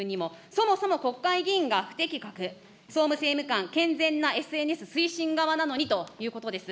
そもそも国会議員が不適格、総務政務官、健全なＳＮＳ推進側なのにということです。